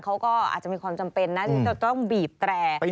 เขาก็อาจจะมีความจำเป็นนะที่จะต้องบีบแตร